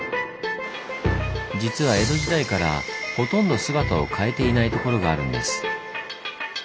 実は江戸時代からほとんど姿を変えていないところがあるんです。